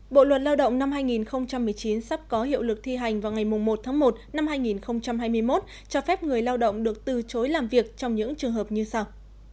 bộ luật lao động năm hai nghìn một mươi chín sắp có hiệu lực thi hành vào ngày một tháng một năm hai nghìn hai mươi một cho phép người lao động được từ chối làm việc trong những trường hợp như sau